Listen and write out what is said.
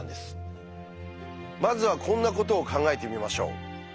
まずはこんなことを考えてみましょう。